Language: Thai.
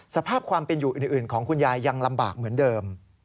สภาพความเป็นอยู่อื่นของคุณยายยังลำบากเหมือนเดิม